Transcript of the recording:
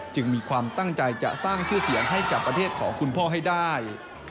มีความตั้งใจจะสร้างชื่อเสียงให้กับประเทศของคุณพ่อให้ได้